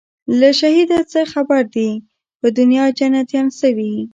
له شهیده څه خبر دي پر دنیا جنتیان سوي